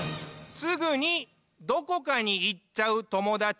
すぐにどこかにいっちゃうともだち？